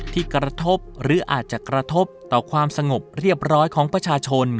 ที่กระทบหรืออาจจะกระทบต่อความสงบเรียบร้อยของประชาชน